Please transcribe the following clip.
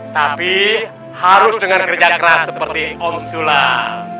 tapi harus dengan kerja keras seperti om sulam